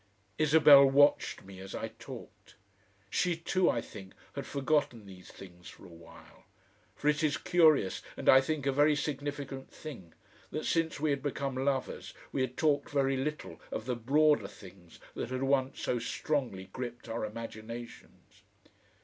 Isabel watched me as I talked. She too, I think, had forgotten these things for a while. For it is curious and I think a very significant thing that since we had become lovers, we had talked very little of the broader things that had once so strongly gripped our imaginations.